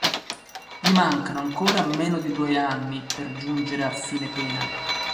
Gli mancano ancora meno di due anni per giungere a fine pena.